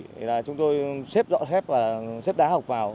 thì là chúng tôi xếp dọa thép và xếp đá học vào